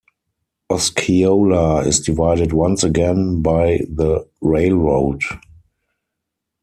Osceola is divided once again by the railroad.